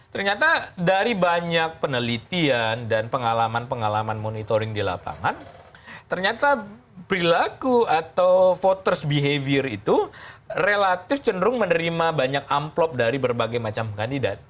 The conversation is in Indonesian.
ternyata dari banyak penelitian dan pengalaman pengalaman monitoring di lapangan ternyata perilaku atau voters behavior itu relatif cenderung menerima banyak amplop dari berbagai macam kandidat